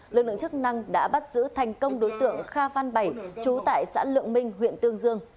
lực lượng chức năng đã bắt giữ thành công đối tượng kha phan bảy chú tại xã lượng minh huyện tương dương